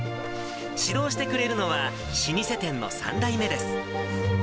指導してくれるのは老舗店の３代目です。